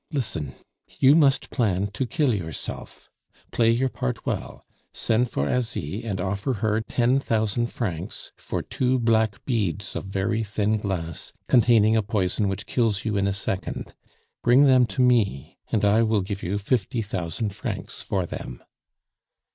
Listen. You must plan to kill yourself; play your part well. Send for Asie and offer her ten thousand francs for two black beads of very thin glass containing a poison which kills you in a second. Bring them to me, and I will give you fifty thousand francs for them."